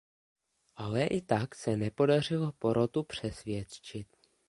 Ale i tak se nepodařilo porotu přesvědčit.